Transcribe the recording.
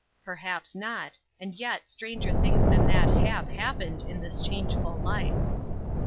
"Perhaps not; and yet stranger things than that have happened in this changeful life."